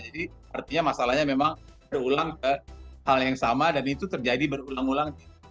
jadi artinya masalahnya memang berulang ke hal yang sama dan itu terjadi berulang ulang